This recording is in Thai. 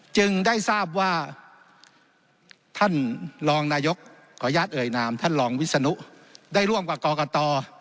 จึงได้ทราบว่าท่านรองนายกขออนุญาตเอ่ยนามท่านรองวิศนุได้ร่วมกับกรกต